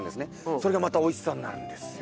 それがまた美味しさになるんですよ。